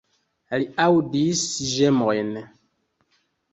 Li aŭdis ĝemojn.